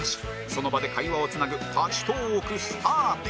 その場で会話をつなぐ立ちトーークスタート